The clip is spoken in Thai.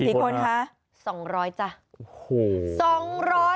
กี่คนคะ๒๐๐จ้ะโอ้โห